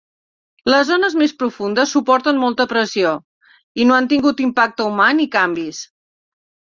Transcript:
Les zones més profundes suporten molta pressió i no han tingut impacte humà ni canvis.